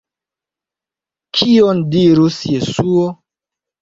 Kion dirus Jesuo?